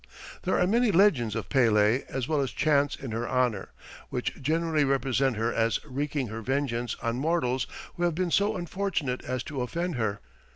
There are many legends of Pele as well as chants in her honour, which generally represent her as wreaking her vengeance on mortals who have been so unfortunate as to offend her.